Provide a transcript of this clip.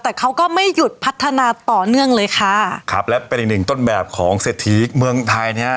แต่เขาก็ไม่หยุดพัฒนาต่อเนื่องเลยค่ะครับและเป็นอีกหนึ่งต้นแบบของเศรษฐีเมืองไทยเนี้ย